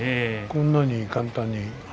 こんなに簡単に。